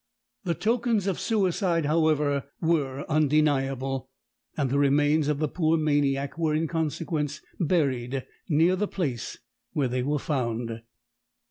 The tokens of suicide, however, were undeniable, and the remains of the poor maniac were in consequence buried near the place where they were found.